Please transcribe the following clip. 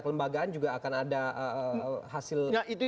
kelembagaan juga akan ada hasil nah itu